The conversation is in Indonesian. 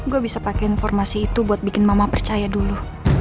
gue bisa pakai informasi itu buat bikin mama percaya dulu